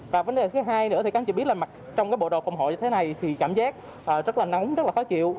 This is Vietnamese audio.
và vấn đề thứ hai nữa thì cán chỉ biết là mặt trong cái bộ đồ phòng hội như thế này thì cảm giác rất là nóng rất là khó chịu